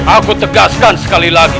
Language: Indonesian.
aku tegaskan sekali lagi